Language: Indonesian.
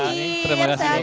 terima kasih banyak